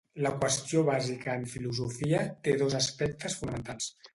La qüestió bàsica en filosofia té dos aspectes fonamentals.